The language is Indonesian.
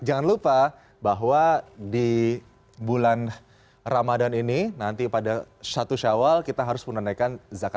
jangan lupa bahwa di bulan ramadan ini nanti pada satu syawal kita harus menunaikan zakat